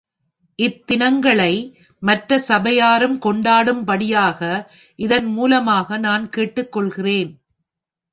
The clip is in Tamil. இத் தினங்களை மற்ற சபையாரும் கொண்டாடும்படியாக இதன் மூலமாக நான் கேட்டுக் கொள்ளுகிறேன்.